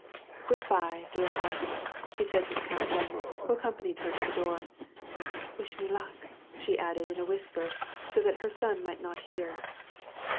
" Good by, dear heart," said she to the countess, who accom panied her to the door. " Wish me good luck," she added in a whisper, so that her son might not hear.